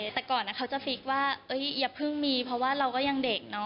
แต่ก่อนเขาจะฟิกว่าอย่าเพิ่งมีเพราะว่าเราก็ยังเด็กเนาะ